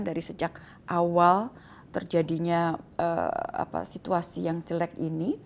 dari sejak awal terjadinya situasi yang jelek ini